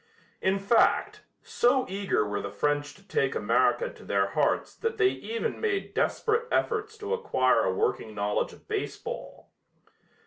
In fact, so eager were the French to take America to their hearts that they even made desperate efforts to acquire a working knowledge of baseball.